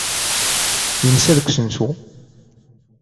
Yensa deg usensu.